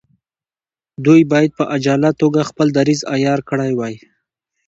دوی باید په عاجله توګه خپل دریځ عیار کړی وای.